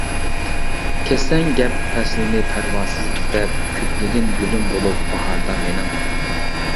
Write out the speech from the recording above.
كەتسەڭ گەپ پەسلىنى پەرۋاسىز ئىزدەپ، كۆكلىگىن گۈلۈم بولۇپ باھاردا مېنىڭ؟ !